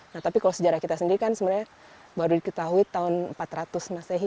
nah tapi kalau sejarah kita sendiri kan sebenarnya baru diketahui tahun empat ratus masehi